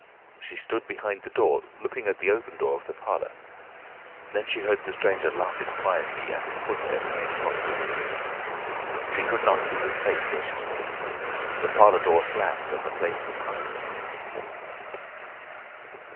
She stood behind the door, looking at the open door of the parlour. Then she heard the stranger laughing quietly, and then his footsteps came across the room. She could not see his face where she stood. The parlour door slammed, and the place was silent again.